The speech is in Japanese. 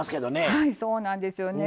はいそうなんですよね。